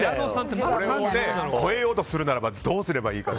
超えようとするならばどうすればいいか。